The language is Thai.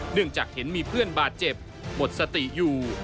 จากเห็นมีเพื่อนบาดเจ็บหมดสติอยู่